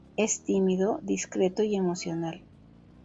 Es tímido, discreto y emocional.